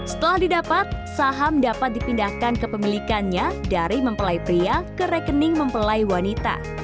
setelah didapat saham dapat dipindahkan ke pemilikannya dari mempelai pria ke rekening mempelai wanita